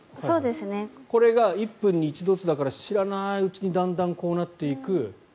これが１分に１度ずつだから知らないうちにこうなっていく。